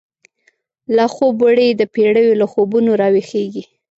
لاخوب وړی دپیړیو، له خوبونو راویښیږی